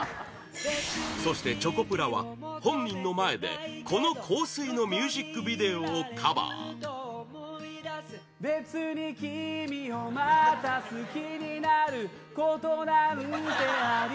そして、チョコプラは本人の前でこの「香水」のミュージックビデオをカバー長田：うるさすぎるよダンスが。